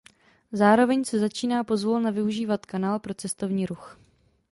Zároveň se začíná pozvolna využívat kanál pro cestovní ruch.